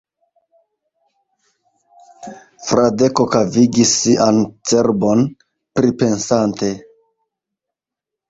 Fradeko kavigis sian cerbon, pripensante.